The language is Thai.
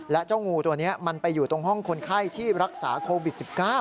และเจ้างูตัวนี้มันไปอยู่ตรงห้องคนไข้ที่รักษาโควิด๑๙